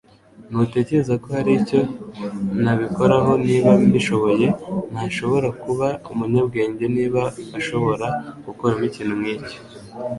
Ntutekereza ko hari icyo nabikoraho niba mbishoboye? Ntashobora kuba umunyabwenge niba ashobora gukuramo ikintu nkicyo